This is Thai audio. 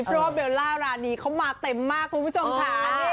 เพราะว่าเบลล่ารานีเขามาเต็มมากคุณผู้ชมค่ะ